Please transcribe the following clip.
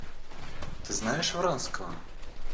Ты знаешь Вронского?